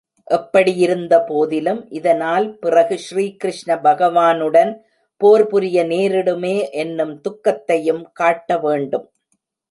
எப்படியிருந்தபோதிலும் இதனால் பிறகு ஸ்ரீகிருஷ்ண பகவானுடன் போர் புரிய நேரிடுமே என்னும் துக்கத்தையும் காட்ட வேண்டும்.